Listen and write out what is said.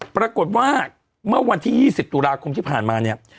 ปรากฏว่าเมื่อวันที่๒๐ตุลาคมที่ผ่านมาเนี่ย